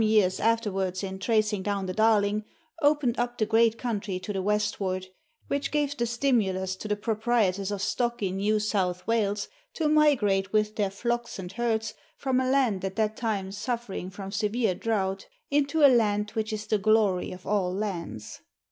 151 years afterwards in tracing down the Darling, opened up the great country to the westward, which gave the stimulus to the proprietors of stock in New South Wales to migrate with their flocks and herds from a land at that time suffering from severe drought, "unto a land which is the glory of all lands."